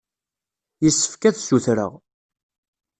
Yessefk ad ssutreɣ.